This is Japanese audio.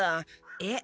えっ？